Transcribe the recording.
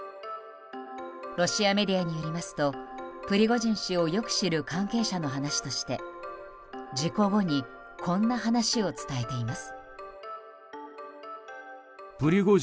ロシアメディアによりますとプリゴジン氏をよく知る関係者の話として、事故後にこんな話を伝えています。